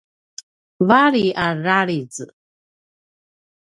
vali a raljiz